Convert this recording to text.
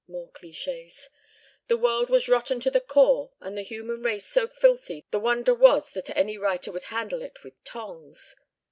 More clichés. The world was rotten to the core and the human race so filthy the wonder was that any writer would handle it with tongs.